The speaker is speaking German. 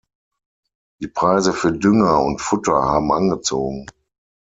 Die Preise für Dünger und Futter haben angezogen.